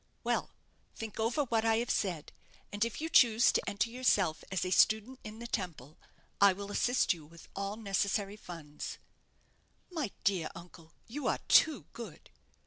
"Well, think over what I have said; and if you choose to enter yourself as a student in the Temple, I will assist you with all necessary funds." "My dear uncle, you are too good."